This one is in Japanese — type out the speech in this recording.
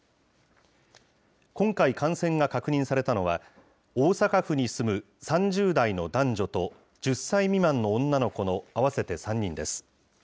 今回感染が確認されたのは、大阪府に住む３０代の男女と、１０歳未満の女の子の合わせて３人です。